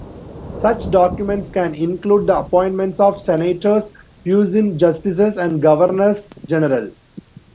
Such documents can include the appointments of senators, puisne justices, and governors general.